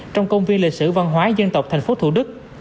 trong công viên lịch sử văn hóa dân tộc tp thu đức